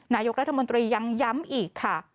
นายกรัฐมนตรียังย้ำอีกค่ะ